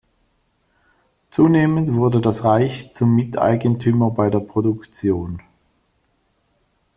Zunehmend wurde das Reich zum Miteigentümer bei der Produktion.